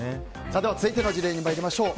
続いての事例に参りましょう。